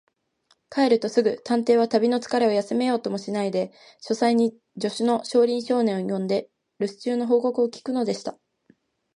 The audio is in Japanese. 帰るとすぐ、探偵は旅のつかれを休めようともしないで、書斎に助手の小林少年を呼んで、るす中の報告を聞くのでした。